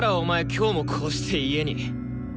今日もこうして家に。